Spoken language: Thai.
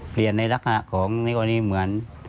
เปลี่ยนในราคาของในตอนนี้เหมือน